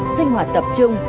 sinh hoạt tập trung